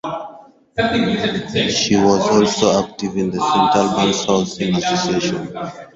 She was also active in the St Albans Housing Association.